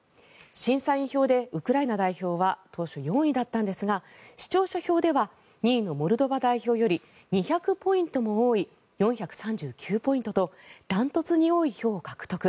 審査員票でウクライナ代表は当初、４位だったんですが視聴者票では２位のモルドバ代表より２００ポイントも多い４３９ポイントと断トツに多い票を獲得。